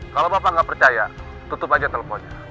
kalau bapak nggak percaya tutup aja teleponnya